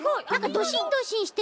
ドシンドシンしてる。